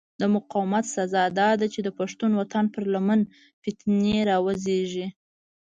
د مقاومت سزا داده چې د پښتون وطن پر لمن فتنې را وزېږي.